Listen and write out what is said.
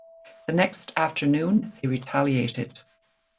The next afternoon they retaliated.